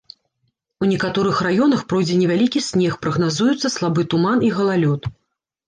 У некаторых раёнах пройдзе невялікі снег, прагназуюцца слабы туман і галалёд.